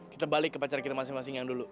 kita balik ke pacar kita masing masing yang dulu